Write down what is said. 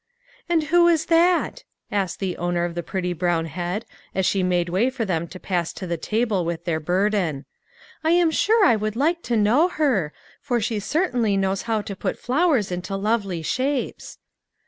"And who is that?" asked the owner of the pretty brown head, as she made way for them to pass to the table with their burden. " I am sure I would like to know her ; for she certainly 232 LITTLE FISHERS: AND THEIR NETS. knows how to put flowers into lovely shapes."